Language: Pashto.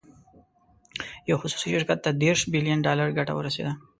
یو خصوصي شرکت ته دېرش بیلین ډالر ګټه ورسېده.